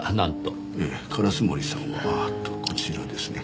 烏森さんはとこちらですね。